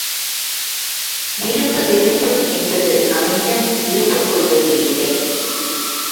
விருப்பு வெறுப்பு என்பது அவனிடம் இருப்புக் கொள்வது இல்லை.